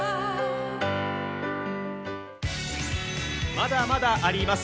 まだまだあります！